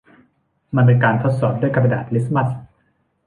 มันเป็นการทดสอบด้วยกระดาษลิตมัส